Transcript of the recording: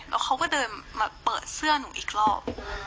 แล้วเขาก็เดินมาเปิดเสื้อหนูอีกรอบ